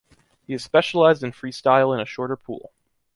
He is specialized in freestyle in a shorter pool.